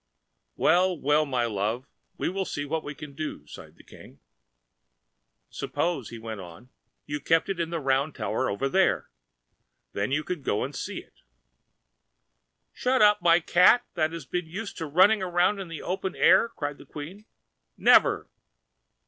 "Well, well, my love, we will see what we can do," sighed the King. "Suppose," he went on, "you kept it in the round tower over there. Then you could go to see it." "Shut up my cat that has been used to running around in the open air?" cried the Queen. "Never!"